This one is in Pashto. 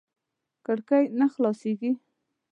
کړکۍ نه خلاصېږي .